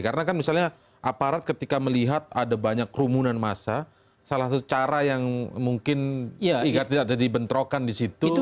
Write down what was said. karena kan misalnya aparat ketika melihat ada banyak kerumunan massa salah satu cara yang mungkin iya tidak dibentrokan di situ